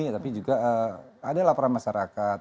tapi juga ada laporan masyarakat